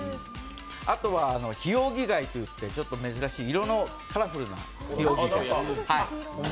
あとはヒオウギ貝といって色のカラフルなヒオウギ。